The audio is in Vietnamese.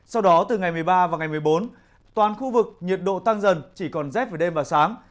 sau đó từ ngày một mươi ba và ngày một mươi bốn toàn khu vực nhiệt độ tăng dần chỉ còn rét về đêm và sáng